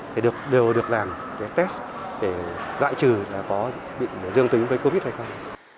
thì đều được làm cái test để loại trừ là có bị dương tính với covid hay không